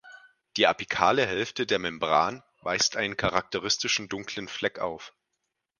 Die apikale Hälfte der Membran weist einen charakteristischen dunklen Fleck auf.